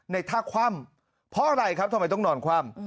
ในท่าคว่ำเพราะอะไรครับทำไมต้องนอนคว่ำ